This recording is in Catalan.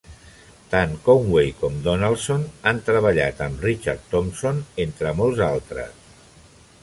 Tant Conway com Donaldson han treballat amb Richard Thompson, entre molts altres.